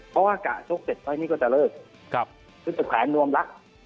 เพราะว่ากะโชคเสร็จตอนนี้ก็จะเลิกคือจะแผนนวมลักษณ์